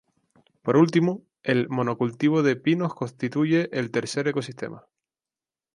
Por último el monocultivo de pinos constituye el tercer ecosistema.